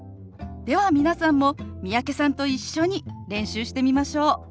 では皆さんも三宅さんと一緒に練習してみましょう！